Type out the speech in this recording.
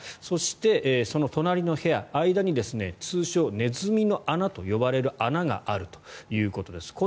そして、その隣の部屋の間に通称・ネズミの穴と呼ばれる穴があるということです。